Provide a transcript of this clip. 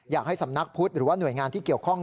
อยากให้สำนักพุทธหรือว่าหน่วยงานที่เกี่ยวข้อง